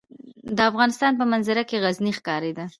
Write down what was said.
د افغانستان په منظره کې غزني ښکاره ده.